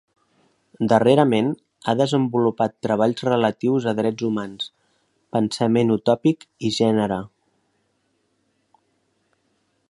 Darrerament ha desenvolupat treballs relatius a drets humans, pensament utòpic i gènere.